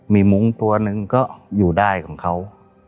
มีมุ้งตัวหนึ่งก็อยู่ได้ของเขา